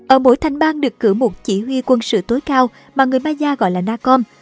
ở mỗi thành bang được cử một chỉ huy quân sự tối cao mà người maya gọi là nacom